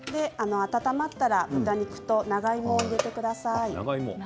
温まったら豚肉と長芋を入れてください。